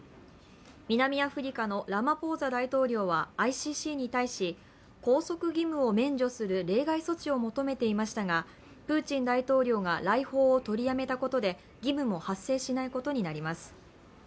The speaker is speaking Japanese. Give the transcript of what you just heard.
南アフリカのラマポーザ大統領はＩＣＣに対し、拘束義務を免除する例外措置を求めていましたがプーチン大統領が来訪を取りやめたことで義務も発生しないことになります。